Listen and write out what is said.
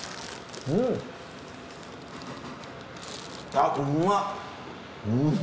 あっうまっ！